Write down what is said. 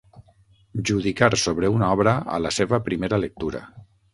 Judicar sobre una obra a la seva primera lectura.